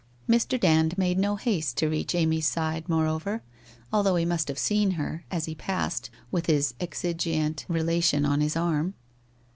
Mr. Dand made no haste to reach Amy's side, moreover, although he must have seen her, as he passed, with his exigeantc relation on his arm.